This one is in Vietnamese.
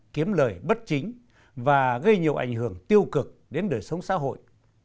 kiếm lời bất chính và gây nhiều ảnh hưởng tiêu cực đến đời sống xã hội